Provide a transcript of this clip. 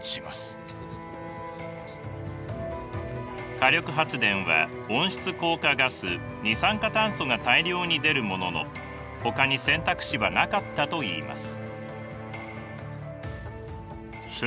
火力発電は温室効果ガス二酸化炭素が大量に出るもののほかに選択肢はなかったといいます。